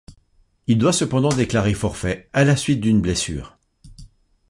Il doit cependant déclarer forfait à la suite d'une blessure.